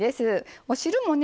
お汁もね